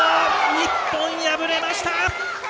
日本、敗れました。